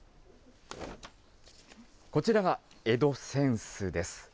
こちらが江戸扇子です。